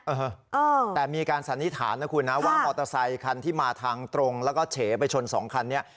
เออแต่มีการสันนิษฐานนะคุณนะว่ามอเตอร์ไซคันที่มาทางตรงแล้วก็เฉไปชนสองคันนี้